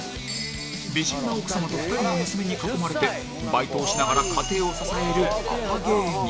美人な奥様と２人の娘に囲まれてバイトをしながら家庭を支えるパパ芸人